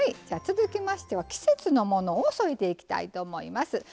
じゃあ続きましては季節のものを添えていきたいと思います。